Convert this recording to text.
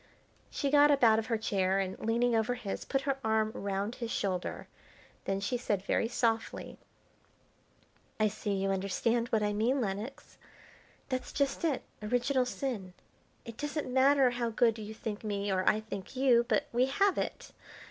She got up out of her chair and, leaning over his, put her arm round his shoulder. Then she said very softly: "I see you understand what I mean, Lenox. That's just it original sin. It doesn't matter how good you think me or I think you, but we have it.